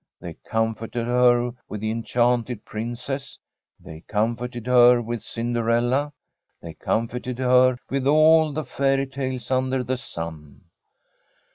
They com forted her with the ' Enchanted Princess/ they comforted her with * Cinderella/ they comforted her with all the fairy tales under the sun.